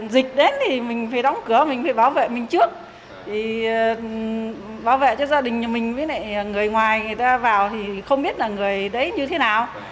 gia đình mình với người ngoài vào không biết là người đấy như thế nào